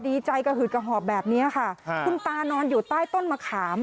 ดีใจกระหืดกระหอบแบบนี้ค่ะคุณตานอนอยู่ใต้ต้นมะขาม